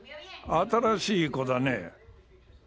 新しい子だね？